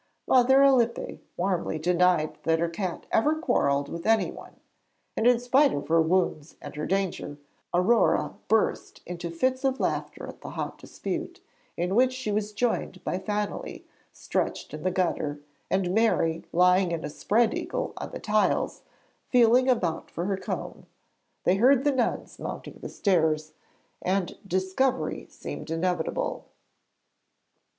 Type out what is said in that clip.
Mother Alippe warmly denied that her cat ever quarrelled with anyone, and in spite of her wounds and her danger, Aurore burst into fits of laughter at the hot dispute, in which she was joined by Fanelly stretched in the gutter, and Mary lying in a 'spread eagle' on the tiles, feeling about for her comb. They heard the nuns mounting the stairs, and discovery seemed inevitable.